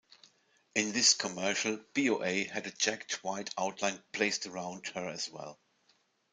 In this commercial BoA had a jagged white outline placed around her as well.